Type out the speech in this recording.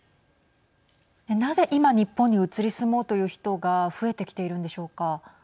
なぜ今日本に移り住もうという人が増えてきているんでしょうか。